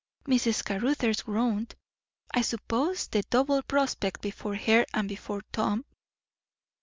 Mrs. Caruthers groaned, I suppose at the double prospect before her and before Tom.